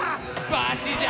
バチじゃ！